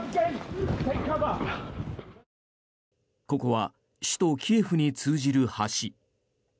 ここは首都キエフに通じる橋。